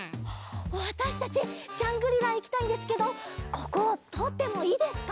わたしたちジャングリラいきたいんですけどこことおってもいいですか？